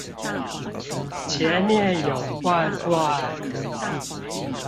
前面有罐罐！